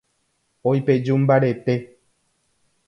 Oipeju mbarete.